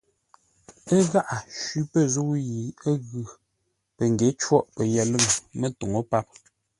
Ə̂ gháʼá shwí pə̂ zə̂u yi ə́ ghʉ̌, pəngyě côghʼ pəyəlʉ̂ŋ mətuŋú páp.